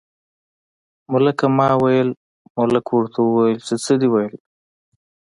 ملکه ما ویل، ملک ورته وویل چې څه دې ویل.